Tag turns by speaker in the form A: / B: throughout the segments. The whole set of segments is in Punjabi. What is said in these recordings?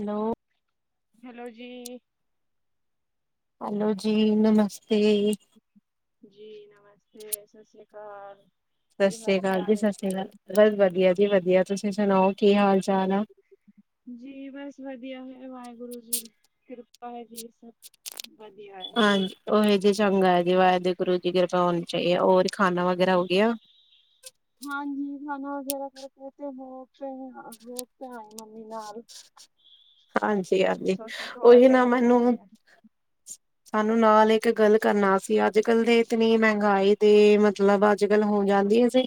A: ਹੈਲੋ
B: ਹੈਲੋ ਜੀ।
A: ਹੈਲੋ ਜੀ, ਨਮਸਤੇ
B: ਜੀ, ਨਮੱਸਤੇ, ਸਸ੍ਰੀਆ ਅਕਾਲ। ਕੀ
A: ਸਾਸ਼੍ਰੀ
B: ਹਾਲ
A: ਅਕਾਲ ਜੀ,
B: ਚਾਲ ਹੈ
A: ਸਾਸ਼੍ਰੀ ਅਕਾਲ ਬਸ ਵਧੀਆ ਜੀ, ਵਧੀਆ ਤੁਸੀਂ ਸੁਣਾਓ, ਕੀ ਹਾਲ-ਚਾਲ ਆ?
B: ਜੀ ਬਸ ਵਦੀਆ ਹੈ, ਵਾਹਿਗੁਰੂ ਜੀ ਦੀ, ਕਿਰਪਾ ਹੈ ਜੀ ਸਭ। ਵਧੀਆ ਐ।
A: ਹਾਂਜੀ ਉਹੀ ਜੀ ਚੰਗਾ ਏ ਜੀ ਵਾਹਿਦੇ ਗੁਰੂ ਕੀ ਕਿਰਪਾ ਹੋਨੀ ਚਾਈਏ ਔਰ ਖਾਨਾ ਵਗੈਰਾ ਹੋ ਗਿਆ?
B: ਹਾਂਜੀ ਖਾਣਾ ਵਗੈਰਾ ਕਰਕੇ ਤੇ ਬੋਕ ਤੇ [unintelligible] ਮੰਮੀ ਨਾਲ। [inaudible]
A: ਹਾਂਜੀ ਆਗੇ,
B: ਸੋਚੋ ਥੋੜਾ
A: ਉਹੀ ਨਾ
B: ਟਾਈਮ ਦੇਤੇ
A: ਮੈਨੂੰ
B: ਹੈ
A: ਸਾਨੂੰ ਨਾਲ ਇੱਕ ਗੱਲ ਕਰਨਾ ਸੀ ਅੱਜ-ਕੱਲ ਦੀ ਇਤਨੀ ਮਹਿੰਗਾਈ ਤੇ ਮਤਲਬ ਅੱਜ-ਕੱਲ ਹੋ ਜਾਂਦੀ
B: ਹਾਂਜੀ
A: ਸੀ,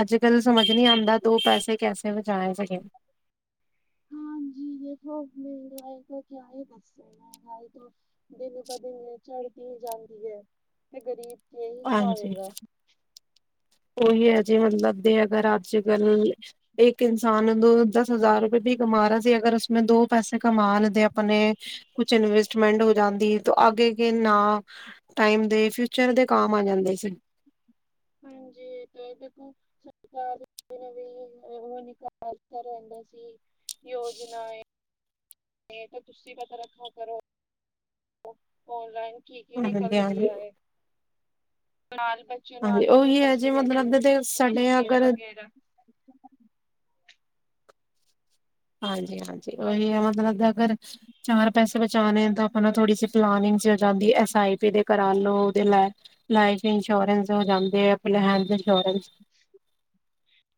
A: ਅੱਜ-ਕੱਲ ਸਮਝ
B: ਹਾਂਜੀ।
A: ਨੀ ਆਦਾ ਦੋ ਪੈਸੇ ਕੈਸੇ ਬਚਾਏ ਸੀਗੇ।
B: ਹਾਂਜੀ ਦੇਖੋ [unintelligible] ਕਿਆ ਏ ਦੱਸੋ। ਮਹਿੰਗਾਈ ਤੋਂ, ਦਿਨ ਪੇ ਦਿਨ ਚੜਤੀ ਓ ਜਾਂਦੀ ਏ। ਤੇ ਗ਼ਰੀਬ ਕੀ ਇਹੀ
A: ਹਾਂਜੀ
B: ਖਾਏਗਾ।
A: ਉਹੀ ਏ ਜੀ ਮਤਲਬ ਜੇ ਅਗਰ ਅੱਜ-ਕੱਲ ਇੱਕ ਇਨਸਾਨ ਦੋ, ਦਸ ਹਜ਼ਾਰ ਰੁਪਏ ਵੀ ਕਮਾ ਰਿਹਾ ਸੀ ਅਗਰ ਉਸਨੇ ਦੋ ਪੈਸੇ ਕਮਾ ਲੈਤੇ ਅਪਨੇ ਕੁਛ ਇਨਵਸਟ [unintelligible] ਹੋ ਜਾਂਦੀ, ਤੋ ਆਗੇ ਕੇ ਨਾ, ਟਾਈਮ ਦੇ ਫਿਊਚਰ ਦੇ ਕਾਮ ਆ ਜਾਂਦੇ ਸੀ।
B: ਹਾਂਜੀ, ਤੇ ਇਹ ਦੇ [unintelligible] [unintelligible] ਓਹੋ ਨਿਕਾਲਤਾ ਰਹਿੰਦੇ ਸੀ। ਯੋਜਨਾ ਏ, ਤਾਂ ਤੁਸੀਂ ਪਤਾ ਰੱਖਾ ਕਰੋ। ਔਨਲਾਈਨ ਕੀ-ਕੀ
A: ਹਾਂਜੀ
B: ਨਿਕਲ
A: ਹਾਂਜੀ
B: ਰੀਆ ਏ। [unintelligible] ਬੱਚੇ
A: ਹਾਂਜੀ
B: ਨਾਲ ਵੀ
A: ਉਹੀ ਹੈ ਜੀ
B: ਨਿਕਲਤੀ ਰਹਿਤੀ
A: ਮਤਲਬ
B: ਥੀ
A: ਦੇ
B: ਇਸ
A: ਸਾਡੇ
B: [unintelligible]
A: ਅਗਰ
B: ਵਗੈਰਾ
A: ਹਾਂਜੀ, ਹਾਂਜੀ ਉਹੀ ਐ ਮਤਲਬ [unintelligible] ਅਗਰ ਚਾਰ ਪੈਸੇ ਬਚਾਣੇ ਨੇ ਤਾਂ ਹਨਾ ਥੋੜੀ ਸੀ ਪਲਾਨਿੰਗ ਚ ਜਾਂਦੀ ਐਸ ਆਈ ਪੀ ਦੇ ਕਰਾ ਲੋਓ, ਦੇ ਲੈ ਲਾਈਫ ਇੰਸ਼ੋਰੈਂਸ ਹੋ ਜਾਂਦੇ ਐ [unintelligible] ਇੰਸ਼ੌਰੈਂਸ।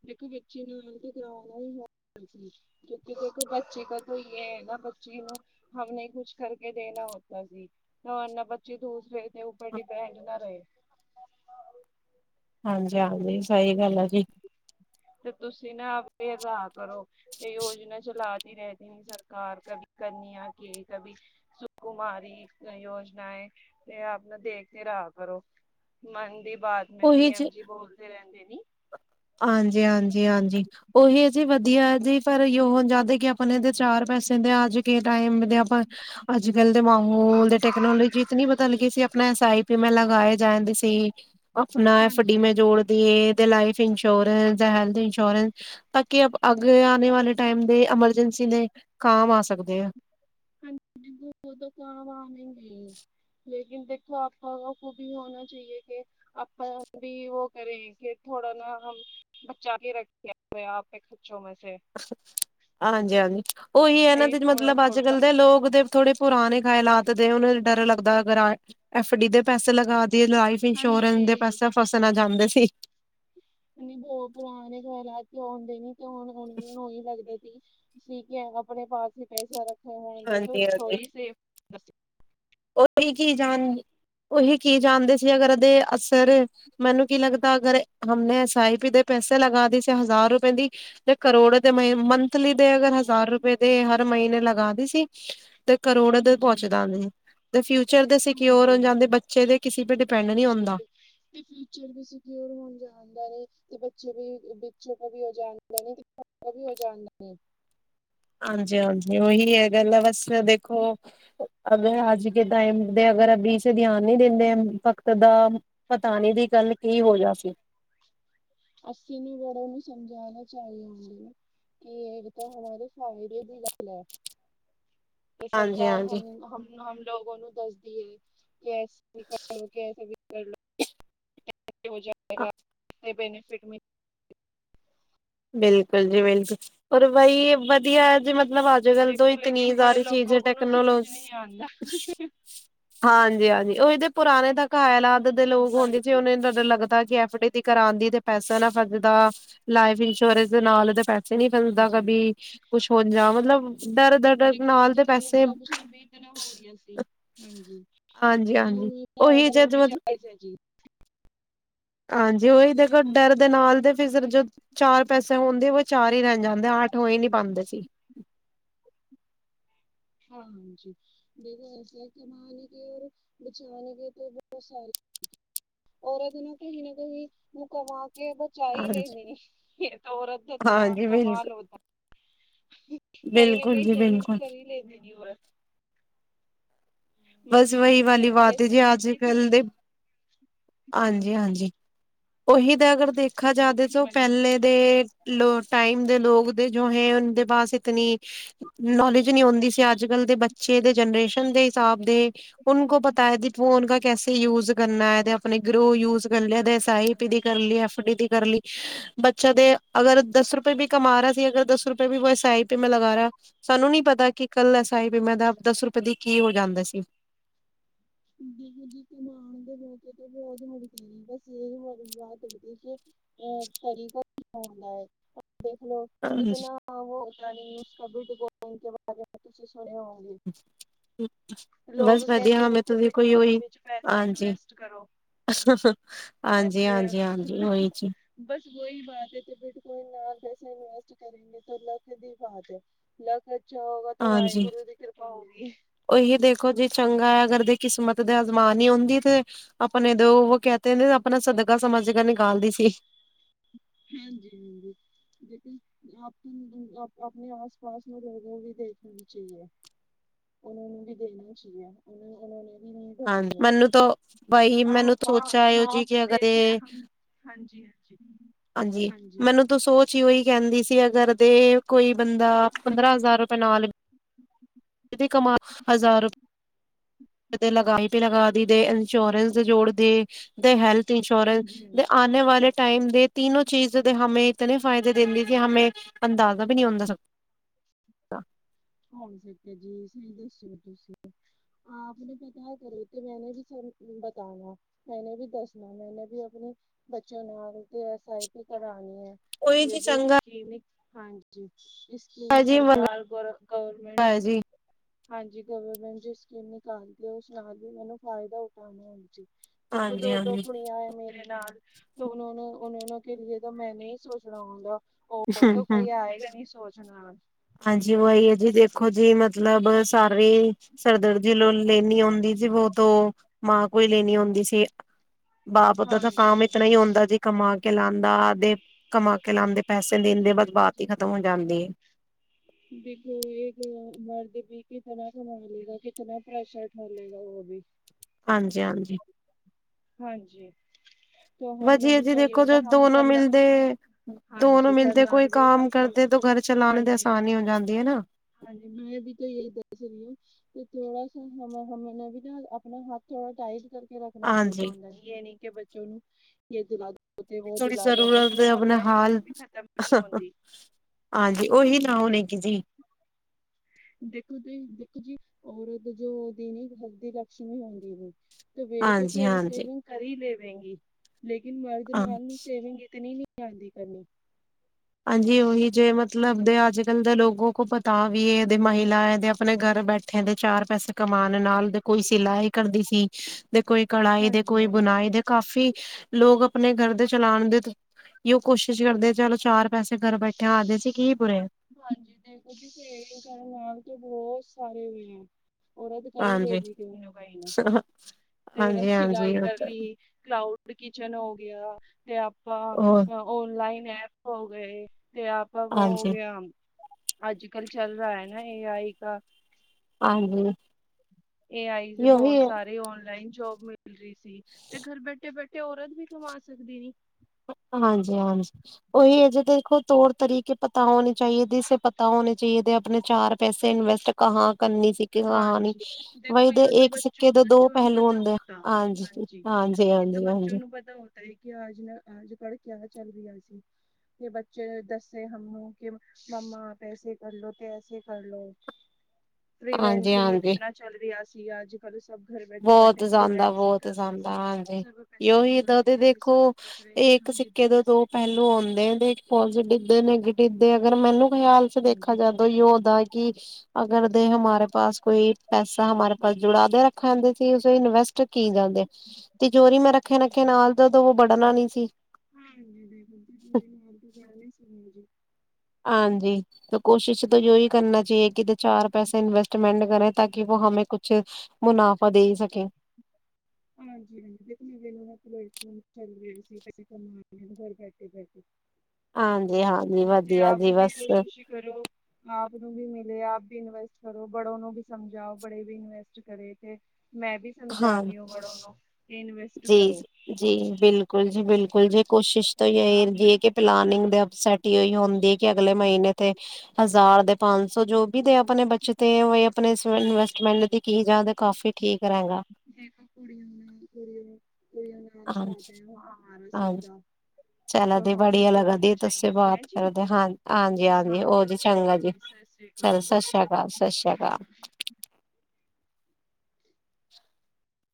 B: ਦੇਖੋ ਬੱਚੇ ਨਾਲ ਤੇ ਕਰਾਣਾ ਈ ਆ ਕਿਉਕਿ ਦੇਖੋ ਬੱਚੇ ਕਾ ਤੋ ਯੇ ਐ ਨਾ ਬੱਚੀ ਨੂੰ ਹਮ ਨੇ ਕੁਛ ਕਰਕੇ ਦੇਣਾ ਹੋਤਾ ਸੀ [unintelligible] ਨਾ ਬੱਚੇ ਦੂਸਰੇ ਕੇ ਉਪਰ ਡਿਪੈਂਡ ਨਾ ਰਏ।
A: ਹਾਂਜੀ-ਹਾਂਜੀ, ਸਈ ਗੱਲ ਆ ਜੀ।
B: ਤੇ ਤੁਸੀਂ ਨਾ [unintelligible] ਕਰੋ ਤੇ ਯੋਜਨਾ ਚਲਾਤੀ ਰਹਿਤੀ ਈ ਸਰਕਾਰ ਕਦੀ ਕਰਨੀ ਆ ਕੇ ਕਬੀ ਸੁਕੁਮਾਰੀ ਯੋਜਨਾ ਏ ਤੇ ਆਪ ਨਾਂ ਦੇਖ ਤੇ ਰਹਾ ਕਰੋ। ਮਨ ਦੀ ਬਾਤ ਮੇ ਪੀ
A: ਉਹੀ
B: ਐਮ ਜੀ ਬੋਲਦੇ ਰਹਿੰਦੇ ਨੀ
A: ਹਾਂਜੀ ਹਾਂਜੀ ਹਾਂਜੀ ਉਹੀ ਐ ਜੀ ਵਧੀਆ ਜੀ। ਪਰ ਜੌ ਹੋ ਜਾਦੇ ਕਿ ਆਪਨੇ ਦੇ ਚਾਰ ਪੈਸੇ ਦੇ ਅੱਜ ਕੇ ਟਾਈਮ ਦੇ ਆਪਾ ਅੱਜ ਕੱਲ ਦੇ ਮਾਹੌਲ ਦੇ ਟੈਕਨੋਲੋਜੀ ਇਤਨੀ ਬਦਲ ਗਈ ਸੀ ਆਪਣਾ ਮੈਂ ਲਗਾਏ ਜਾਂਦੇ ਸੀ। ਨਾ ਇਹ ਫੱਡੀ ਮੈਂ ਜੋੜਦੀਏ ਤੇ ਲਾਈਫ ਇੰਸ਼ੋਰੈਂਸ ਹੈਲਥ ਇੰਸ਼ੋਰੈਂਸ ਤਾਂ ਕਿ ਅੱਗੇ ਆਣੇ ਵਾਲੇ ਟਾਈਮ ਦੇ ਐਮਰਜੈਂਸੀ ਦੇ ਕਾਮ ਆ ਸਕਦੇ ਆ।
B: ਹਾਂਜੀ [unintelligible] ਲੇਕਿਨ ਦੇਖੋ ਆਪ ਕੋ ਵੀ ਹੋਣਾ ਚਾਹੀਏ ਕਿ ਆਪਾਂ ਵੀ ਉਹ ਕਰੇ ਕਿ ਥੋੜਾ ਨਾ ਬੱਚਾ ਵੀ ਰੱਖਿਆ ਹੋਆ ਆਪਣੇ ਖੱਚੋ ਮੈਂ [unintelligible]
A: ਹਾਂਜੀ ਹਾਂਜੀ ਉਹੀ ਇਹਨਾਂ ਦੇ ਮਤਲਬ ਅੱਜ ਕੱਲ ਦੇ ਲੋਕ ਦੇ ਥੋੜੇ ਪੁਰਾਣੇ ਖਾਇਲਤ ਦੇ ਉਹਨੂੰ ਡਰ ਲੱਗਦਾ ਅਗਰ ਐਫ ਡੀ ਦੇ ਪੈਸੇ ਲਗਾ ਦੀਏ ਲਾਈਫ ਇੰਸ਼ੋਰੈਂਸ ਦੇ ਪਾਸੇ ਫਸਣਾ ਜਾਦੇ ਸੀ।
B: ਬਹੁਤ ਪੁਰਾਣੇ ਲਾ ਕੇ ਆਉਂਦੇ ਨੀ ਤੇ ਹੁਣੁ ਉਹੀ ਲੱਗਦਾ। ਸੀ ਕਿ ਆਪਣੇ ਪਾਸ ਹੀ ਪੈਸੇ ਰੱਖੇ ਹੋਣ ਦੇ ਤੇ ਉਸ ਤੋਂ
A: ਹਾਂਜੀ-ਹਾਂਜੀ।
B: ਹੀ ਸੇਫ [unintelligible]
A: ਔਹੀ ਕੀ ਜਾਨ ਔਹੀ ਕੀ ਜਾਣਦੇ ਸੀ ਅਗਰ- ਅਸਰ ਮੈਨੂੰ ਕੀ ਲੱਗਦਾ ਅਗਰ ਹਮ ਨੇ ਐਸ ਆਈ ਪੀ ਦਾ ਪੈਸਾ ਲਗਾ ਦੇ ਸੀ ਹਜ਼ਾਰ ਰੁਪਏ ਦੀ ਤੇ ਕਰੋੜ ਦੇ ਮ ਮੰਥਲੀ ਦੇ ਅਗਰ ਹਜ਼ਾਰ ਰੁਪਏ ਦੇ ਹਰ ਮਹੀਨੇ ਲਗਾ ਦੀ ਸੀ ਤੇ ਕਰੋੜ ਦੇ
B: ਹਾਂਜੀ
A: ਪੁਛਦਾ
B: ਹਾਂਜੀ
A: ਵੀ ਨੀ। ਤੇ ਫਿਊਚਰ ਦੇ ਸਿਕਿਓਰ ਜਾਂ
B: ਹਾਂਜੀ
A: ਬੱਚੇ ਦੇ ਕਿਸੇ ਤੇ ਡਿਪੈਂਡ ਨੀ
B: ਫਿਊਚਰ
A: ਹੁੰਦਾ।
B: ਤੇ ਤੇ ਫਿਊਚਰ ਵੀ ਸੇਕਔਰ ਹੋਣ ਦੇਯਾ। ਬਾਰੇ ਤੇ ਬੱਚੇ ਵੀ ਵਿੱਚੋਂ ਵੀ ਹੋ ਜਾਣਦਾ ਨੇ ਤੇ ਵੀ ਹੋ [unintelligible] ਜਾਣਦਾ ਹਮ।
A: ਹਾਂਜੀ- ਹਾਂਜੀ ਔਹੀ ਐ ਗੱਲ ਆ ਬਸ ਦੇਖੋ ਅਗਰ ਅੱਜ ਕੇ ਟਾਈਮ ਦੇ ਅਗਰ ਅਬਿ ਸੇ ਦੇਆਨ ਨੀ ਦਿੰਦੇ ਵਕਤ ਤੋ ਬਾਦ ਪਤਾ ਨੀ ਦੀ ਕਲ ਕੀ ਹੋ ਯਾ ਸੀ।
B: ਅੱਸੀ ਨੂੰ ਬੜੋ ਨੂੰ ਸਮਜਾਣਾ ਚਾਈਦੇ ਏਹ ਵਿਤਾਂ ਹੋਇਆ ਦੇ ਫਰਇਡੇ ਦੀ ਗੱਲ ਹੈ। ਏ ਸਰਕਾਰ
A: ਹਾਂਜੀ-ਹਾਂਜੀ
B: ਹਮ ਹਮ ਹਮ ਲੋਗ ਨੂੰ ਦੱਸਦੀ ਹੈਗੀ ਕਿ ਐਸ ਵੀ ਕਰੋ ਕਿਸੇ ਵੀ [unintelligible] ਕਰ ਲ ਹੋ ਜਾਗਾ ਬੈਨੀਫਿਟ ਮ [unintelligible]
A: ਬਿਲਕੁਲ ਜੀ- ਬਿਲਕੁਲ ਪਰ ਐ ਬ ਈ ਵਧੀਆ ਜੀ ਮਤਲਬ ਜੋ ਕੱਲ ਤੋਂ
B: ਦੇਖੋ ਲੇਕਿਨ
A: ਇਤਨੀ
B: ਬੜੇ
A: ਸਾਰੀ ਚੀਜ਼
B: ਲੋਗੋ
A: ਹੈ
B: ਕੋ ਨੂੰ ਸਮਝ ਨਹੀਂ ਆਂਦਾ
A: ਟੈਕਨੋਲੋਜੀ। ਹਾਂਜੀ -ਹਾਂਜੀ ਔਹੀ ਤੇ ਪੁਰਾਣੇ ਤਾਂ ਖਾਇਲਾਤ ਦੇ ਲੋਕ ਹੁੰਦੇ ਸੀ
B: ਹਾਂਜੀ।
A: ਔਨਾ ਨੇ ਤਾਡੇ ਤਾਂ ਕਿ ਐਫ ਡੀ ਕਰਾਂਦੀ ਤੇ ਪੈਸਾ ਨਾ ਫਜਦਾ ਲਾਈਫ ਇੰਸ਼ੋਰੈਂਸ ਦੇ ਨਾਲ ਪੈਸ ਏ ਨੀ ਫਲਦਾ
B: ਹਾਂਜੀ
A: ਕਬੀ ਕੁਛ ਹੋ ਜਾਵੋ ਮਤਲਬ ਡਰ ਦਾ ਡਰ
B: ਦੇਖੋ
A: ਨਾਲ
B: ਅੱਜ
A: ਤੇ
B: ਕੱਲ
A: ਪੈਸੇ
B: ਨਿਗਰਾਸ਼ਨ ਵੀਹ ਹੋ ਰਆ ਸੀ ਹਾਂਜੀ ਤੇ
A: ਹਾਂਜੀ-ਹਾਂਜੀ
B: ਹੁਣ
A: ਉਹੀ ਜਦ
B: ਚ
A: ਮਤਲਬ
B: ਹੈ ਜੀ [unintelligible]
A: ਹਾਂਜੀ ਔਈ ਦੇਖੋ ਡਰ ਦੇ ਨਾਲ ਦੇ ਨ ਈ ਸਰਜੁਗ ਚਾਰ ਪੈਸਾ ਹੁੰਦੇ ਔ ਚਾਰ ਈ ਰੈ ਜਾਂਦਾ ਆੱਠ ਹੋ ਈ ਨੀ ਪਾਦੇ ਸੀ।
B: ਹਾਂਜੀ। ਦੇਖੋ ਐਸਾ ਹੈ ਕਮਾਨੀ ਕਿ ਔਰ ਬਚਾ ਕੇ ਬੋਤ ਸਾਰੇ ਔਰਤ ਨਾ ਕਹੀਂ ਨਾ ਕਹੀਂ ਮਤ ਕਮਾ ਕੇ ਬ ਚਾ ਈ
A: ਹਾਂਜੀ
B: ਲੈਂਦੀ ਔਰਤ ਦੇ ਕਮਾ
A: ਹਾਂਜੀ ਬਿਲਕੁਲ
B: ਕਮਾਲ ਹੋਦਾ। [unintelligible] ਕਈ ਨਾ
A: ਬਿਲਕੁਲ
B: ਕਈ
A: ਜੀ
B: ਸੇਵਿੰਗ
A: ਬਿਲਕੁਲ
B: ਕਰ ਈ ਲੈਦੀ। ਜਿਵਰਾ
A: ਬਸ
B: ਮੰਮੀ ਮੈਂ
A: ਵਹੀ ਵਾਲੀ
B: ਮੈਨੂੰ
A: ਬਾਤ ਹੈ
B: ਪਰਸੋਂ
A: ਜੀ
B: ਕੈਂਦੀ ਸੀ।
A: ਹਾਂਜੀ -ਹਾਂਜੀ ਔਹੀ ਤਾਂ ਅਗਰ ਦੇਖਾ ਜਾਵੇ ਤਾਂ ਪੈਲੇ ਦੇ ਲੋ ਟਾਈਮ ਦੇ ਲੋਗ ਦੇ ਜੋਹੈ ਔਂਦੇ ਪਾਸ ਇਤਨੀ ਨੌਲੇਜ ਨੀ ਹੋਂਦੀ ਸੀ ਅੱਜ- ਕੱਲ੍ਹ ਦੇ ਬੱਚੇ ਦੇ ਜਨਰੇਸ਼ਨ ਦੇ। ਦੇ ਹਿਸਾਬ ਦੇ ੳਨ ਕੋ ਬਤਾਯਾ ਦੀ ਫੋਨ ਕਾਲ ਕੈਸੇ ਯੂਜ ਕਰਨੈ। ਅਪਣੇ ਗਰੋ ਯੂਜ ਕਰ ਲਿਆ ਦੇ
B: ਹਾਂਜੀ
A: ਸਾਇਡ ਤੇ
B: ਹਾਂਜੀ।
A: ਕਰ ਲੇਯਾ ਐਫ ਡੀ ਦੀ ਕਰ ਲੀ। ਬੱਚਾ ਦੇ ਅਗਰ ਦਸ ਰੁਪੇ ਵੀ ਕਮਾ ਰਾ ਸੀ ਅਗਰ ਦਸ ਰੁਪੇ ਵੀ ਸਾਈ ਪੇ ਮੇ ਲਗਾ ਰਾ ਸਾਨੂੰ ਨੀ ਪਤਾ ਕਿ ਕੱਲਾ ਸਾਈ ਵੀ ਮੈਂ ਤਾ ਆਪ ਦਸ ਰੁਪੇ ਦੀ ਕੀ ਹੋ ਜਾਂਦੇ ਸੀ।
B: ਧੀ ਗੁਰ ਜੀ ਕ ਮਾਣ ਦੇ ਮੌਕੇ ਤੇ ਬਹੁਤ ਮੁੜਦੀ ਰ ਬਸ ਇਹ ਬਦ ਉੱੜਦੀ ਕਿ। [unintelligible] ਅਐ ਤਰੀਕਾ ਈ ਨਾ ਹੌਂਦੈ ਹੈ ਦੇਖ ਲੋ
A: ਹਾਂਜੀ
B: ਇਤਨਾ ਮੈ ਔ ਨਹੀਂ ਉਸ ਬ ਗੋ ਕੇ ਬਾਰੇ [unintelligible] ਤੁਸੀਂ ਸੁਣੇਯੌ। ਹਮ
A: ਬਸ
B: ਲੋਗ
A: ਵਧੀਆ
B: ਕੈਂਦੇ ਨੇ।
A: ਹਮੇ
B: ਤੇ
A: ਤੋਂ ਵੀ ਕੋਈ
B: ਬਿਯੁਟੀਕੋਨ ਚ ਪੈਸਾ ਇਨਵੈਸਟ ਕਰੋ।
A: ਅਹਹ
B: ਤੇ
A: ਹਾਂਜੀ-ਹਾਂਜੀ- ਹਾਂਜੀ, ਔਹੀ ਚ
B: ਬਸ ਯਈ ਬਾਤ ਐ ਤੇ ਬੇਟ ਕੋਨ ਨਾ ਪੈਸੇ [unintelligible] ਇਨਵੈਸਟ ਕਰੇਗੇ ਤਾਂ ਲੱਕ ਦੀ ਬਾਤੈ ਲੱਖ ਅੱਛਾ ਹੋਊਗਾ ਤੇ
A: ਹਾਂਜੀ
B: ਵਾਹਿਗੁਰੂ ਦੀ ਕਿਰਪਾ ਹੋਗੀ
A: ਉਹੀ ਦੇਖੋ ਜੇ ਚੰਗਾ ਹੈ ਅਗਰ ਜੇ ਕਿਸਮਤ ਦੇ ਅਜ਼ਮਾਨੀ ਹੁੰਦੀ ਤੇ ਆਪਣੇ ਦੋ ਉਹ ਕਹਿਤੇ ਆਪਣਾ ਸਦਕਾ ਸਮਝ ਕੇ ਨਿਕਾਲਦੀ ਸੀ
B: ਹਾਂਜੀ, ਹਾਂਜੀ ਲੇਕਿਨ ਆਪ ਆਪਣੇ ਆਸ ਪਾਸ ਨੂੰ ਲੋਗੋ ਕੋ ਵੀ ਦੇਖਣੀ ਚਾਹੀਏ ਉਹਨਾਂ ਨੂੰ ਵੀ ਦੇਣੀ ਚਾਹੀਏ ਉਹਨੂੰ ਉਹਨਾਂ ਨੇ ਨੀਡ
A: ਹਾਂਜੀ
B: ਹੋਤੀ ਹੈ
A: ਮੈਨੂੰ ਤਾਂ ਬਾਈ ਮੈਨੂੰ
B: ਆਹੋ,
A: ਸੋਚਾ ਇਹੋ
B: ਹ
A: ਜੀ ਕਿ ਅਗਰ
B: ਦੇਖ ਆਏ ਹੈ
A: ਇਹ
B: ਹਮ ਹਾਂਜੀ, ਹਾਂਜੀ
A: ਹਾਂਜੀ ਮੈਨੂੰ ਤੇ ਸੋਚ ਉਹੀ ਕਹਿੰਦੀ ਸੀ ਅਗਰ ਦੇ ਕੋਈ ਬੰਦਾ ਪੰਦਰਾਂ ਹਜ਼ਾਰ ਰੁਪਏ ਨਾਲ ਇਹਦੇ ਕਮਾ ਹਜ਼ਾਰ ਤੇ ਲਗਾਈ ਦੇ ਲਗਾ ਦੀ ਦੇ ਇੰਸ਼ੋਰੈਂਸ ਜੋੜ ਦੇ ਦੇ ਹੈਲਥ ਇੰਸ਼ੋਰੈਂਸ
B: ਹਾਂਜੀ ਹਾਂਜੀ
A: ਦੇ ਆਨੇ ਵਾਲੇ ਟਾਈਮ ਦੇ ਤਿੰਨੋ ਚੀਜ਼ ਦੇ ਹਮੇ ਇਤਨੇ ਫਾਇਦੇ ਦਿੰਦੀ ਸੀ ਹਮੇ ਅੰਦਾਜ਼ਾ ਵੀ ਨਹੀਂ ਹੁੰਦਾ ਸਾ
B: ਹੋਣ ਸਕਿਆ ਜੀ ਸਹੀ ਦੱਸਿਆ ਤੁਸੀਂ ਓ ਆਪਨੇ ਪਤਾ ਕਰੋ ਕਿ ਮੈਂਨੇ ਵੀ ਚੱਲ ਬਤਾਨਾ ਮੈਨੇ ਵੀ ਦੱਸਣਾ ਮੈਨੇ ਵੀ ਆਪਣੀ ਬੱਚਿਆਂ ਨਾਲ ਤੇ ਐਸ ਆਈ ਤੇ ਕਰਾਉਣੀ ਹੈ,
A: ਕੋਈ
B: ਜੇ
A: ਜੀ
B: ਜੋ
A: ਚੰਗਾ
B: ਸਕੀਮੀ ਹਾਂਜੀ ਇਹ ਸਕੀਮ
A: ਹੈ ਜੀ ਮੰਗਾ
B: ਸਰਕਾਰ ਦਵਾਰਾ ਗੌਰਮੈਂਟ
A: ਹੈ ਜੀ
B: ਹਾਂਜੀ ਗੌਵਰਮੈਂਟ ਦੀ ਸਕੀਮ ਨਿਕਾਲਦੀ ਹੈ ਉਸ ਨਾਲ ਵੀ ਮੈਨੂੰ ਫ਼ਾਇਦਾ ਉਠਾਉਣਾ ਹਾਂਜੀ ਇੱਕੋ
A: ਹਾਂਜੀ
B: ਦੋ, ਦੋ
A: ਹਾਂਜੀ
B: ਕੁੜੀਆਂ ਮੇਰੇ ਨਾਲ ਤੇ ਉਹਨਾਂ ਨੂੰ ਉਹਨੂੰ ਕੇ ਲਿਏ ਫਿਰ ਮੈਂਨੇ ਸੋਚਣਾ ਹੋਗਾ ਔਰ ਤੋਂ ਕੋਈ ਆਏਗਾ ਨਹੀਂ ਸੋਚਣਾ
A: ਹਾਂਜੀ ਉਹੀ ਹੈ ਜੀ ਦੇਖੋ ਜੀ ਮਤ ਮਤਲਬ ਸਾਰੀ ਸਿਰਦਰਦੀ ਲੋ ਲੈਣੀ ਹੁੰਦੀ ਜੀ ਬਹੁਤ ਤੋਂ ਮਾਂ ਕੋ ਲੈਣੀ ਹੁੰਦੀ ਸੀ ਬਾਪ ਓਦਾਂ ਦਾ
B: ਹਾਂਜੀ
A: ਕਮ ਇਤਨਾ ਹੀ ਹੁੰਦਾ ਜੀ ਕਮਾ ਕੇ ਲਾਂਦਾ ਦੇ ਕਮਾ ਕੇ ਲਾਉਂਦੇ ਪੈਸੇ
B: ਹਾਂਜੀ
A: ਦਿੰਦੇ ਵਕਤ
B: ਦੇਖੋ
A: ਬਾਤ ਹੀ ਖ਼ਤਮ ਹੋ ਜਾਂਦੀ
B: ਦੇਖੋ ਏਕ ਮਰਦ ਵੀ ਕਿਤਨਾ ਕਮਾ ਲੇਗਾ ਕਿਤਨਾ ਪ੍ਰੈਸ਼ਰ ਉਠਾ ਲੇਗਾ ਉਹ ਵੀ
A: ਹਾਂਜੀ, ਹਾਂਜੀ
B: ਹਾਂਜੀ
A: ਵਾਜੀ ਜੀ ਦੇਖੋ ਜੋ ਦੋਨੋ ਮਿਲਦੇ ਦੋਨੋ
B: ਹਾਂਜੀ
A: ਮਿਲਦੇ ਕੋਈ
B: ਨਾਲ ਵੀ
A: ਕੰਮ
B: ਹਮ ਥੋ
A: ਕਰਦੇ ਤੋ ਘਰ ਚਲਾਣੇ ਤੇ ਆਸਾਨੀ ਹੋ ਜਾਂਦੀ ਹੈ ਨਾ
B: ਹਾਂਜੀ ਮੈਂ ਵੀ ਤਾਂ ਯੇਹੀ ਦੱਸ ਰਹੀ ਹਾਂ ਉਹ ਥੋੜਾ ਸਮਾਂ ਸਮੇ ਵੀ ਆਪਣਾ ਹੱਥ ਔਰ ਟਾਈਟ ਕਰਕੇ ਰੱਖਣਾ ਚਾਹੀਦਾ
A: ਹਾਂਜੀ
B: ਹੁੰਦਾ ਯੇਹ ਨੀ ਕਿ ਬੱਚੋ ਨੂੰ ਯੇ ਦਿਲਾ ਦੋ ਉਤੇ ਉਹ
A: ਥੋੜੀ
B: ਦਿਲਾ ਦੋ ਬੱਚੋਂ
A: ਜ਼ਰੂਰਤ
B: ਦੀ
A: ਦੇ ਆਪਣਾ
B: ਫਰਮਾਇਸ਼
A: ਹਾਲ
B: ਕਦੀ ਖਤਮ ਨਹੀਂ ਹੁੰਦੀ
A: ਹਾਂਜੀ ਉਹੀ ਨਾਓ ਨੇਗੀ ਜੀ
B: ਦੇਖੋ ਜੀ ਦੇਖੋ ਜੀ ਔਰਤ ਜੋ ਉਹਦੀ ਨੀ ਘਰ ਦੀ ਲਛਮੀ ਹੁੰਦੀ ਜੀ ਤੇ ਵੇਟ ਤੋਂ
A: ਹਾਂਜੀ
B: ਥੋੜੀ
A: ਹਾਂਜੀ
B: ਸੇਵਿੰਗ ਕਰੀ ਲਵੇਗੀ ਲੇਕਿਨ ਮਰਦ
A: ਹਾਂ
B: ਨਾਲ ਨੂੰ ਸੇਵਿੰਗ ਇਤਨੀ ਨੀ ਤੇ ਆਂਦੀ ਕਰਨੀ
A: ਹਾਂਜੀ ਉਹੀ ਜੇ ਮਤ ਮਤਲਬ ਦੇ ਅੱਜ- ਕੱਲ੍ਹ ਦੇ ਲੋਗੋ ਕੋ ਬਤਾ ਕੇ, ਇਹਦੇ ਮਹਿਲਾ ਦੇ ਆਪਣੇ ਘਰ ਬੈਠੇ ਦੇ ਚਾਰ ਪੈਸੇ। ਕਮਾਨ ਨਾਲ, ਤੇ ਕੋਈ ਸਿਲਾਈ ਕਰਦੀ ਸੀ। ਤੇ ਕੋਈ, ਕੜਾਹੀ, ਦੇ
B: ਹਾਂਜੀ
A: ਕੋਈ
B: ਹਾਂਜੀ
A: ਬੁਣਾਈ, ਦੇ ਕਾਫੀ, ਲੋਕ ਆਪਣੇ ਘਰ ਦੇ ਚਲਾਉਣ ਦੇ। ਕੀ ਉਹ, ਕੋਸ਼ਿਸ਼ ਕਰਦੇ ਚਲ ਚਾਰ ਪੈਸੇ ਘਰ ਬੈਠੇ ਆਜੇ। ਕੀ, ਬੁਰੇ
B: ਹਾਂਜੀ, ਦੇਖੋ ਜੀ, ਫੇ ਸਾ ਨਾਲ ਤੇ ਬੋਤ ਸਾਰੇ ਹੋਏ। ਓ, ਕਰ ਵੀ ਲਈ ਦੀ ਕਿ [unintelligible] ਲੁਕਾਈ ਨੂੰ
A: ਅਹਾਂ
B: ਤੇ ਸਿਲਾਈ ਕਰ ਲੀ, ਕਲਾਊਡ ਕਿਚਨ ਹੋ ਗਿਆ ਤੇ ਆਪਾਂ
A: ਉਹ
B: ਓਨਲਾਈਨ ਐਪ ਹੋ ਗਏ ਤੇ ਆਪ ਓ ਹੋ
A: ਹਾਂਜੀ,
B: ਗਿਆ, ਅੱਜ-ਕਲ ਚੱਲ ਰਾ ਏ ਨਾ। ਏ ਆਈ ਕਾ।
A: ਹਂ।
B: ਏ ਆਈ, ਦੇ ਬੋਤ ਸਾਰੇ ਓਨਲਾਈਨ ਜੋਬ ਮਿਲ ਰੀ ਸੀ ਤੇ ਘਰ ਬੈਠੇ-ਬੈਠੇ ਤੇ ਔਰਤ ਵੀ ਕਮਾ ਸਕਦੀ ਨੀਂ।
A: ਹਾਂਜੀ-ਹਾਂਜੀ, ਉਹੀ ਅ ਜੇ ਦੇਖੋ। ਤੌਰ ਤਰੀਕੇ ਪਤਾ ਹੋਣੇ ਚਾਈਏ ਦਿਸੇ ਪਤਾ ਹੋਣੇ ਚਾਈਏ। ਆਪਣੇ ਚਾਰ ਪੈਸੇ ਇਨਵੈਸਟ ਕਹਾਂ ਕੰਨੀ ਸਿੱਕੇ ਕਹਾਣੀ
B: ਹਾਂਜੀ
A: ਬਈ ਤੇ ਇੱਕ ਸਿੱਕੇ ਦੇ ਦੋ
B: ਨੂੰ
A: ਪਹਿਲੂ ਹੁੰਦੇ। ਹਾਂਜੀ। ਹਾਂਜੀ, ਹਾਂਜੀ, ਹਾਂਜੀ।
B: ਨੂੰ ਪਤਾ ਹੋਤਾ ਹੈ ਕਿ ਆਜ ਨਾ ਆਜ ਕੜ ਚਾਅ ਚੱਲ ਗਿਆ ਸੀ। ਫਿਰ ਬੱਚੇ ਦੱਸੇ ਹਮ ਨੂੰ, ਕਿ ਮੰਮਾ ਆਪ ਐਸੇ ਕਰ ਲੋ ਤੇ ਐਸੇ ਕਰ ਲੋ।
A: ਹਾਂਜੀ,
B: ਫ੍ਰੀਲੈਂਸਿੰਗ, ਇਤ
A: ਹਾਂਜੀ।
B: ਨਾਂ ਚੱਲ ਰਿਆ ਸੀ ਅੱਜ। ਕੋ ਸਭ ਘਰ
A: ਬਹੁਤ
B: ਬੈਠੇ-ਬੈਠੇ
A: ਜ਼ਿਆਦਾ
B: ਫ੍ਰੀਲੈਂਸਿੰਗ
A: ਬਹੁਤ
B: ਕਰ ਰਿਆ
A: ਜ਼ਿਆਦਾ
B: ਸੀ।
A: ਹਾਂਜੀ
B: ਸਭ ਪੈਸੇ
A: ਉਹੀ
B: ਕਮਾ
A: ਤਾਂ ਤੇ
B: ਰੈਆਂ ਸੀ।
A: ਦੇਖੋ
B: ਸਭ ਸੋਚ ਰਹੇ ਕਿ
A: ਇੱਕ
B: ਹਮ ਵੀ
A: ਸਿੱਕੇ ਦੇ ਦੋ
B: ਪੈਸੇ ਕਮਾ
A: ਪਹਿਲੂ
B: ਲੈ
A: ਆਓਂਦੇ ਦੇਖ ਪੋਜ਼ਟਿਵ ਦੇ ਨੈਗੇਟਿਵ ਦੇ ਅਗਰ, ਮੈਨੂੰ ਖਿਆਲ
B: ਹਾਂਜੀ
A: ਚ ਦੇਖਿਆ
B: ਹਾਂਜੀ
A: ਜਾਦ ਯੋਦਾ ਕਿ ਅਗਰ ਦੇ ਹਮਾਰੇ ਪਾਸ ਕੋਈ, ਪੈਸਾ ਹਮਾਰੇ ਪਾਸ ਜੁੜਾ ਦੇ ਰ ਖਾਂਦੇ ਸੀ। ਉਸ, ਇਨਵੈਸਟ ਕੀ ਜਾਂਦੇ ਤਿਜੋਰੀ ਮੈਂ ਰੱਖੇ ਰੱਖਿਆ
B: ਹਾਂਜੀ
A: ਨਾਲ, ਜਦੋਂ ਵੋ ਬੜਨਾ ਨੀਂ ਸੀ।
B: [inaudible]
A: ਹਾਂਜੀ, ਤੇ ਕੋਸ਼ਿਸ਼ ਤਾਂ ਜੋ ਈ ਕਰਨਾ ਚਾਈਏ, ਕਿਤੇ ਚਾਰ ਪੈਸੇ ਇਨਵੈਸਟਮੈਂਟ ਕਰੇ। ਤਾਂ ਕਿ, ਵੋ ਹਮੇਂ ਕੁਛ ਮੁਨਾਫ਼ਾ ਦੇ ਈ ਸਕੇਂ।
B: ਹਾਂਜੀ-ਹਾਂਜੀ, [unintelligible] ਚੱਲ ਰੇ ਸੀ ਪੇਸੈ ਕਮਾ ਘਰ ਬੈਠੇ-ਬੈਠੇ।
A: ਹਾਂਜੀ-ਹਾਂਜੀ ਵਧੀਆ
B: ਆਪ
A: ਜੀ,
B: ਵੀ
A: ਬਸ।
B: ਕੋਸ਼ਿਸ਼ ਕਰੋ। ਆਪ ਨੂੰ ਵੀ ਮਿਲੇ ਆਪ ਵੀ ਇਨਵੈਸਟ ਕਰੋ, ਬੜੋ ਨੂੰ ਵੀ ਸਮਝਾਓ, ਬੜੇ ਵੀ ਇਨਵੈਸਟ ਕਰੇ। ਤੇ ਮੈਂ ਵੀ ਸਮਝਾ ਦੀ ਓਂ, ਬੜੋ ਨੂੰ। ਕਿ ਇਨਵੇਸਟ ਕਰੋ
A: ਜੀ-ਜੀ ਬਿਲਕੁਲ ਜੀ, ਬਿਲਕੁਲ ਜੀ।
B: ਹਾਂਜੀ
A: ਕੋਸ਼ਿਸ਼ ਤਾਂ
B: ਫਿਰ
A: ਯਈ
B: ਆਪ
A: ਰੈਂਦੀ
B: ਮੈਂ
A: ਏ ਕਿ ਪਲਾਨਿੰਗ ਦੇ
B: ਹਾਂਜੀ
A: ਅਪਸੈਟ ਏਈ ਓ ਹੁੰਦੀ ਹੈ ਕਿ ਅਗਲੇ ਮਹੀਨੇ ਤੇ ਹਜ਼ਾਰ ਦੇ ਪੰਜ ਸੌ, ਜੋ ਬੀ ਦੇ ਆਪਣੇ ਬੱਚਤ ਆਪਣੇ
B: ਹਾਂਜੀ
A: ਇਨਵੈਸਟਮੈਂਟ ਦੀ ਕੀ ਜਾ, ਤੇ ਕਾਫੀ ਠੀਕ ਰੈਂਗਾ।
B: ਦੇਖੋ ਕੁੜੀਆਂ ਨਾਲ ਕੁੜੀਆਂ, ਕੁੜੀਆਂ ਨਾਲ ਸਦ ਬਾਰ ਹੋ ਸਕਦਾ।
A: ਚਲਾਦੀ ਬੜੀਆ ਲੱਗਾ ਦੀ ਤੁਸੀਂ
B: ਜੀ ਹੈ
A: ਬਾਤ
B: ਜੀ
A: ਕਰਦੇ, ਹਾਂ, ਹਾਂਜੀ-ਹਾਂਜੀ,
B: ਹਾਂਜੀ
A: ਓਜੀ, ਚੰਗਾ
B: ਚਲਿਏ
A: ਜੀ।
B: ਸਤਿ ਸ੍ਰੀ ਅਕਾਲ
A: ਚਲ,
B: ਜੀ
A: ਸਤਿ ਸ੍ਰੀ ਅਕਾਲ, ਸਤਿ ਸ੍ਰੀ ਅਕਾਲ।